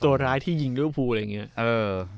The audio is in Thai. ตัวร้ายที่ยิงริวภูอะไรอย่างนี้